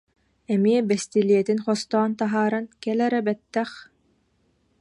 Эмиэ бэстилиэтин хостоон таһааран: «Кэл эрэ, бэттэх